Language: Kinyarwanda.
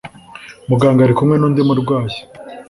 Muganga ari kumwe nundi murwayi